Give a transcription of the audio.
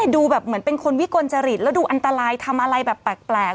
ดูแบบเหมือนเป็นคนวิกลจริตแล้วดูอันตรายทำอะไรแบบแปลก